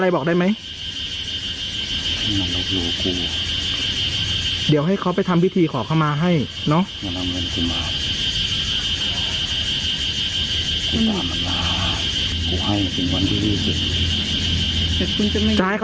แล้วท่านคิดว่ามาจนถึงวันหนึ่งแปลก